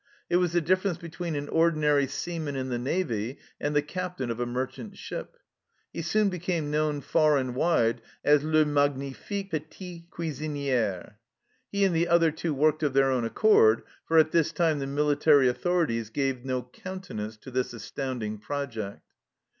It was the difference between an ordinary seaman in the Navy and the captain of a merchant ship. He soon became known far and wide as " le magnifique petit cuisinier." He and the other two worked of their own accord, for at this time the military authorities gave no countenance to this astounding project.